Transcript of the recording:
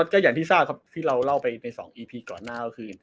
ฮ่าก็อย่างที่ที่เราเล่าไปก่อนหน้าครับคือ